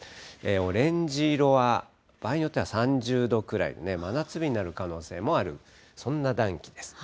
オレンジ色は、場合によっては３０度くらい、真夏日になる可能性もある、そんな暖気です。